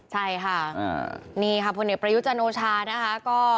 ใช่ค่ะนี่ค่ะพลเอกประยุจันโอชานะคะ